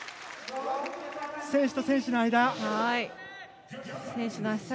選手と選手の間でした。